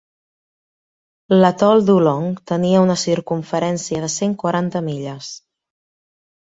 L'atol d'Oolong tenia una circumferència de cent quaranta milles.